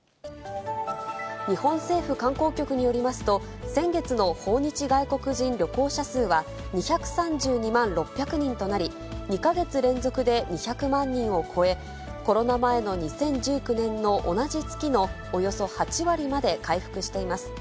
日本政府観光局によりますと、先月の訪日外国人旅行者数は２３２万６００人となり、２か月連続で２００万人を超え、コロナ前の２０１９年の同じ月のおよそ８割まで回復しています。